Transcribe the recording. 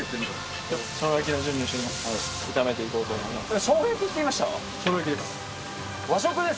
炒めていこうと思います。